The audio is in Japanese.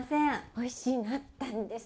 おいしいのあったんです